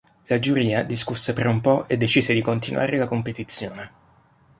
La giuria discusse per un po' e decise di continuare la competizione.